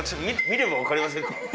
見れば分かりませんか？